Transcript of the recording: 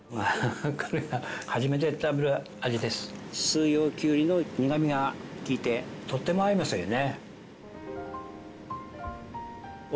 四葉きゅうりの苦みが利いてとっても合いますよね。